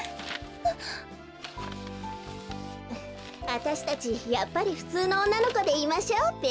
あたしたちやっぱりふつうのおんなのこでいましょうべ。